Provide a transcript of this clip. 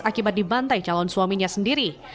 akibat dibantai calon suaminya sendiri